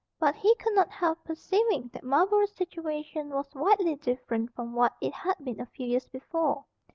But he could not help perceiving that Marlborough's situation was widely different from what it had been a few years before.